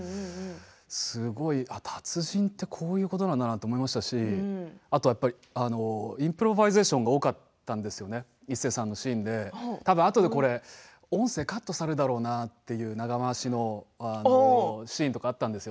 すごい、達人って、こういうことなんだなと思いましたしあとインプロバイゼーションが多かったんですよねイッセーさんのシーンでこれあとで音声カットされるだろうなという長回しのシーンとかあったんですよ。